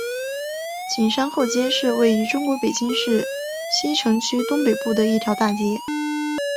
景山后街是位于中国北京市西城区东北部的一条大街。